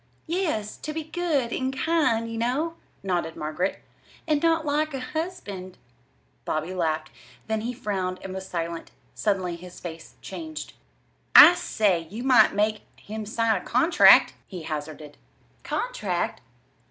"Yes; to be good and kind, you know," nodded Margaret, "and not like a husband." Bobby laughed; then he frowned and was silent. Suddenly his face changed. "I say, you might make him sign a contract," he hazarded. "Contract?"